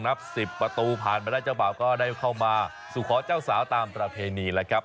นับ๑๐ประตูผ่านมาได้เจ้าบ่าวก็ได้เข้ามาสู่ขอเจ้าสาวตามประเพณีแล้วครับ